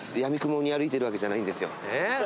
やみくもに歩いてるわけじゃないんですよ。